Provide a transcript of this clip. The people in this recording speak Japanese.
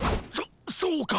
そそうか。